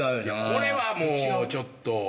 これはもうちょっと。